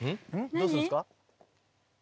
どうするんですか？